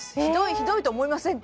ひどいと思いませんか？